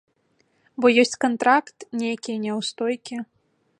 Бо ёсць кантракт, нейкія няўстойкі.